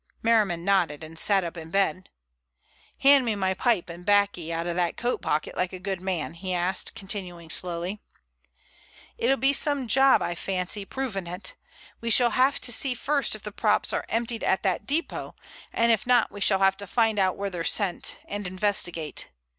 Merriman nodded and sat up in bed. "Hand me my pipe and baccy out of that coat pocket like a good man," he asked, continuing slowly: "It'll be some job, I fancy, proving it. We shall have to see first if the props are emptied at that depot, and if not we shall have to find out where they're sent, and investigate.